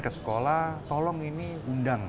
ke sekolah tolong ini undang